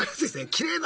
きれいな。